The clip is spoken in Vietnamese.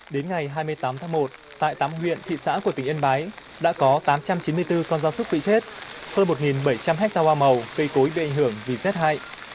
đến ngày hai mươi tám tháng một tại tám huyện thị xã của tỉnh yên bái đã có tám trăm chín mươi bốn con gia súc bị chết hơn một bảy trăm linh ha hoa màu cây cối bị ảnh hưởng vì rét hại